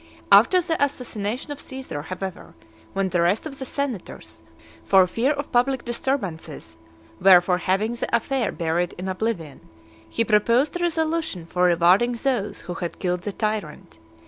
After the assassination of Caesar, however, when the rest of the senators, for fear of public disturbances; were for having the affair buried in oblivion, he proposed a resolution for rewarding those who had killed the tyrant.